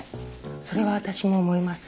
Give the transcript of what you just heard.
それは私も思います。